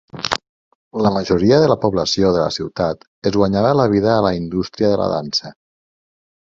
La majoria de la població de la ciutat es guanyava la vida a la indústria de la dansa.